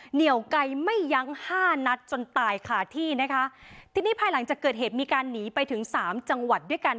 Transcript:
เหนียวไกลไม่ยั้งห้านัดจนตายขาดที่นะคะทีนี้ภายหลังจากเกิดเหตุมีการหนีไปถึงสามจังหวัดด้วยกัน